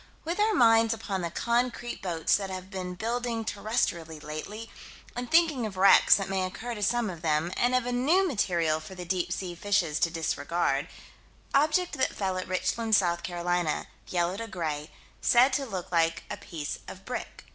With our minds upon the concrete boats that have been building terrestrially lately, and thinking of wrecks that may occur to some of them, and of a new material for the deep sea fishes to disregard Object that fell at Richland, South Carolina yellow to gray said to look like a piece of brick.